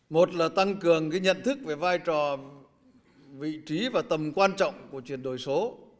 một là tăng cường nhận thức về vai trò vị trí và tầm quan trọng của chuyển đổi số